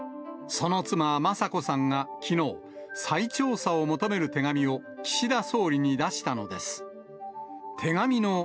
その妻、雅子さんがきのう、再調査を求める手紙を岸田総理に出したのです。